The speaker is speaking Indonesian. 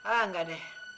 ah enggak deh